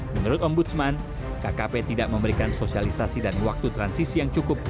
menurut ombudsman kkp tidak memberikan sosialisasi dan waktu transisi yang cukup